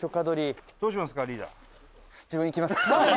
どうしますか？